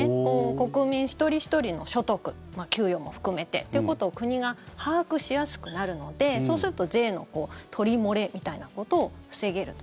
国民一人ひとりの所得給与も含めてということを国が把握しやすくなるのでそうすると税の取り漏れみたいなことを防げると。